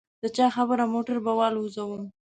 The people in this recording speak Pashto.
د چا خبره موټر به والوزووم.